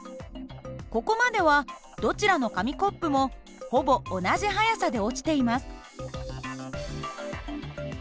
ここまではどちらの紙コップもほぼ同じ速さで落ちています。